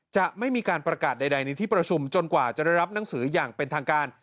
จะไม่มีการประกาศใดในที่ประชุมจนกว่าจะได้รับหนังสืออย่างเป็นทางการ